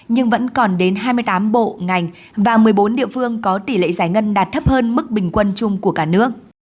nhưng vẫn còn đến hai mươi tám bộ ngành và một mươi bốn địa phương có tỷ lệ giải ngân đạt thấp hơn mức bình quân chung của cả nước